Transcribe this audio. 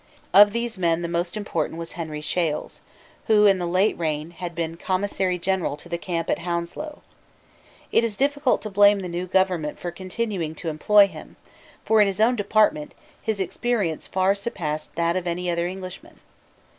Of these men the most important was Henry Shales, who, in the late reign, had been Commissary General to the camp at Hounslow. It is difficult to blame the new government for continuing to employ him: for, in his own department, his experience far surpassed that of any other Englishman.